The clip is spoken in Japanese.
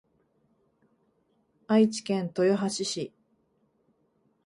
愛知県豊橋市